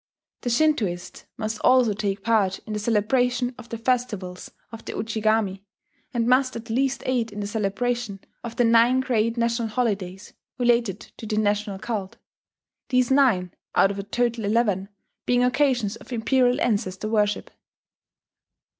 The Shintoist must also take part in the celebration of the festivals of the Ujigami, and must at least aid in the celebration of the nine great national holidays related to the national cult; these nine, out of a total eleven, being occasions of imperial ancestor worship.